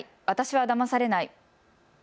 私はだまされない。